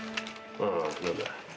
ああ何だ？